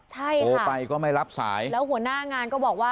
ใช่ค่ะ